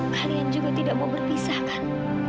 kalian juga tidak mau berpisah kan